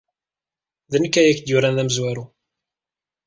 D nekk ay ak-d-yuran d amezwaru.